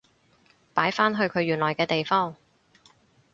擺返去佢原來嘅地方